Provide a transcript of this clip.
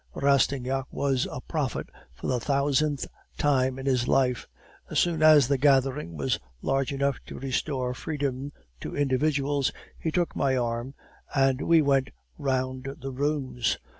Rastignac was a prophet for the thousandth time in his life. As soon as the gathering was large enough to restore freedom to individuals, he took my arm, and we went round the rooms.